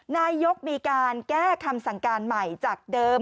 นายกมีการแก้คำสั่งการใหม่จากเดิม